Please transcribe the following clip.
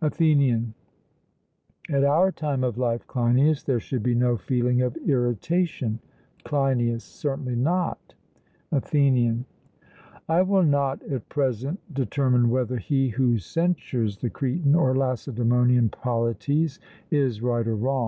ATHENIAN: At our time of life, Cleinias, there should be no feeling of irritation. CLEINIAS: Certainly not. ATHENIAN: I will not at present determine whether he who censures the Cretan or Lacedaemonian polities is right or wrong.